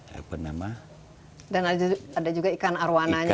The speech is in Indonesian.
dan ada juga ikan arwananya